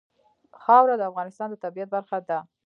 خاوره د افغانستان د طبیعت برخه ده.